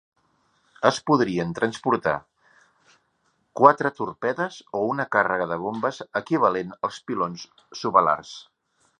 Es podrien transportar quatre torpedes o una càrrega de bombes equivalent als pilons subalars.